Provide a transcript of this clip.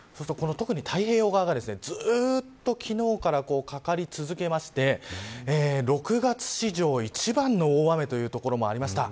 太平洋側が特にずっと昨日からかかり続けまして６月史上、一番の大雨という所もありました。